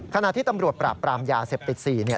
ขณะที่ตำรวจปราบปรามยาเสพติก๔